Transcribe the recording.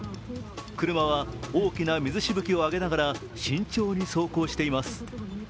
車は大きな水しぶきを上げながら慎重に走行しています。